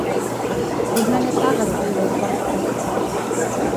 Бүлмәне тағы тынлыҡ баҫты.